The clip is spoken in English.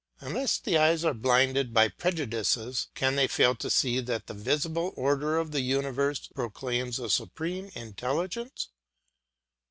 Unless the eyes are blinded by prejudices, can they fail to see that the visible order of the universe proclaims a supreme intelligence?